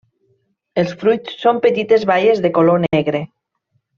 Els fruits són petites baies de color negre.